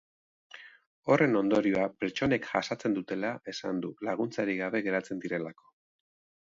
Horren ondorioa pertsonek jasaten dutela esan du, laguntzarik gabe geratzen direlako.